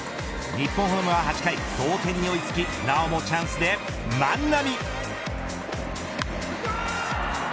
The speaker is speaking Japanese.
日本ハムは８回、同点に追いつきなおもチャンスで万波。